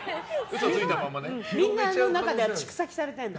みんなの中では蓄積されてるの。